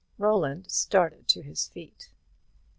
Roland started to his feet.